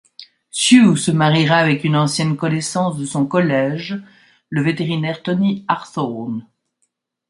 Sue se mariera avec une ancienne connaissance de son collège, le vétérinaire Toni Harthoorn.